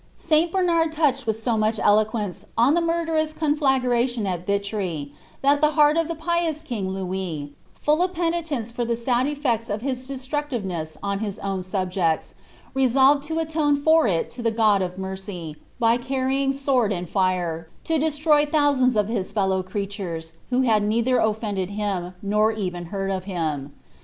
Sl Bcmaiil loucbeil with so much eloquence on the murderous conJlagTatiiio at Viiry, that the heart of the pious king Louis, full of penileiice for llrf sad efTMts of his desiruciiveness on hia own subjecu, resolved to atou for il to the God of mere) , by carrying sword nod fire, to destroy ihon eanda of his fellow creatures, who had neiUicr otl^njed him, nor evtft heard of him.